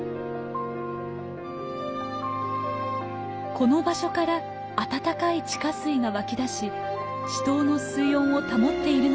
この場所から温かい地下水が湧き出し池溏の水温を保っているのではないか？